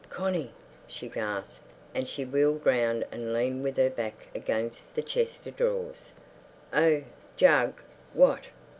"Connie!" she gasped, and she wheeled round and leaned with her back against the chest of drawers. "Oh, Jug—what?"